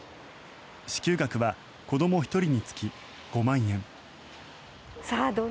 支給額は子ども１人につき５万円。